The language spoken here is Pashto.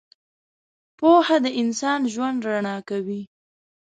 • پوهه د انسان ژوند رڼا کوي.